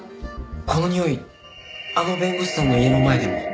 このにおいあの弁護士さんの家の前でも。